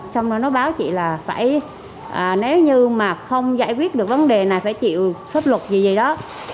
xong rồi nói báo chị là phải nếu như mà không giải quyết được vấn đề này phải chịu pháp luật gì gì đó